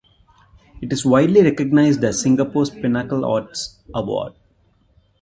It is widely recognized as Singapore's pinnacle arts award.